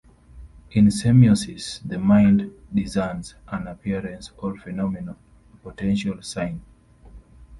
In semiosis the mind discerns an appearance or phenomenon, a potential sign.